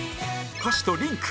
歌詞とリンク